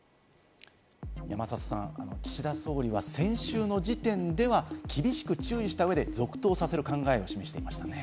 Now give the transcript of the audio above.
山里さん、岸田総理は先週の時点では厳しく注意した上で続投させる考えを示していました。